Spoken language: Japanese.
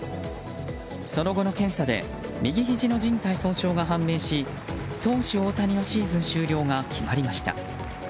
その後の検査で右ひじのじん帯損傷が判明し投手・大谷のシーズン終了が決まりました。